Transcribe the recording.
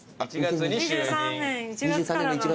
２３年１月からなので。